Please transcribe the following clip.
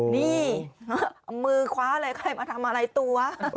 นี่มือคว้าเลยใครมาทำอะไรตัว